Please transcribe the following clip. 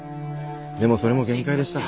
でもそれも限界でした。